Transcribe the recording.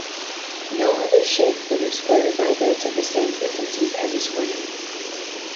No other shape than a square vibrates at the same frequencies as a square.